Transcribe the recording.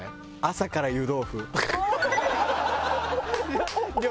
朝から湯豆腐って。